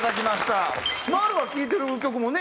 マルは聴いてる曲もね